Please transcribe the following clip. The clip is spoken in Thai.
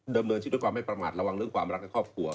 ดำเนินชีวิตด้วยความไม่ประมาทระวังเรื่องความรักในครอบครัว